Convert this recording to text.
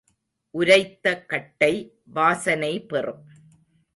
உரைத்த கட்டை வாசனை பெறும்.